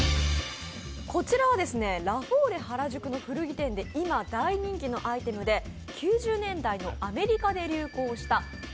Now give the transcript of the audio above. こちらはラフォーレ原宿の古着店で今、大人気のアイテムで９０年代のアメリカで流行した○